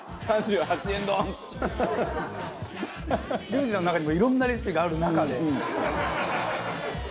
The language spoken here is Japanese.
リュウジさんの中にもいろんなレシピがある中で。